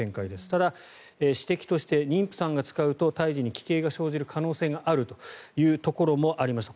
ただ、指摘として妊婦さんが使うと胎児に奇形が生じる可能性があるということもありました。